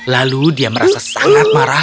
lalu dia merasa sangat marah